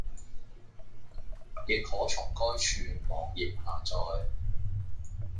亦可從該處網頁下載